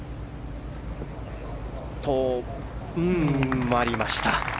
止まりました。